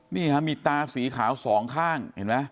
นี่มีตาสีขาวสองข้าง